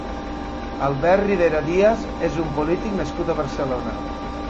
Albert Rivera Díaz és un polític nascut a Barcelona.